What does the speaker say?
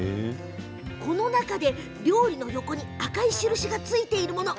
この中で料理の横に赤い印がついているもの